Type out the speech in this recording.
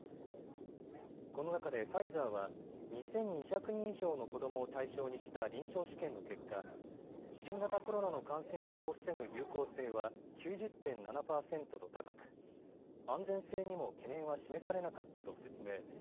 この中でファイザーは２２００人以上の子どもを対象にした臨床試験の結果、新型コロナの感染症を防ぐ有効性は９０．７％と高く安全性にも懸念は示されなかったと説明。